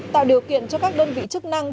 tạo điều kiện cho các đơn vị chức năng